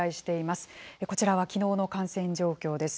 こちらはきのうの感染状況です。